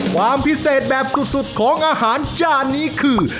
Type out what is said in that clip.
ความพิเศษแบบสุดของอาหารจานนี้คือ